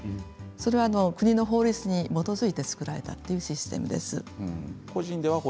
それは国の法律に基づいて作られたシステムです。